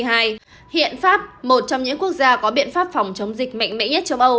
hiện pháp một trong những quốc gia có biện pháp phòng chống dịch mạnh mẽ nhất châu âu